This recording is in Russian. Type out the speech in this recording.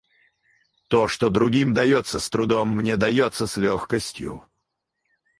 То, что другим дается с трудом, мне дается с легкостью.